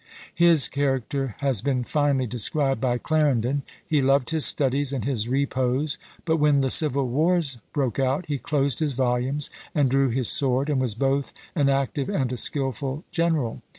His character has been finely described by Clarendon: he loved his studies and his repose; but when the civil wars broke out, he closed his volumes and drew his sword, and was both an active and a skilful general.